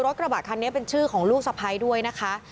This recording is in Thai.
กระบะคันนี้เป็นชื่อของลูกสะพ้ายด้วยนะคะ